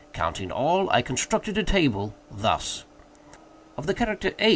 Counting all, I constructed a table, thus: Of the character 8 there are 33.